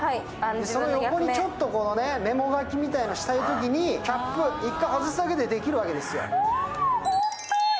その横にちょっとメモ書きみたいなのをしたいときに、キャップを１回外すだけでできるわけですよ。